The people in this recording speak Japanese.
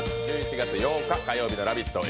１１月８日、火曜日の「ラヴィット！」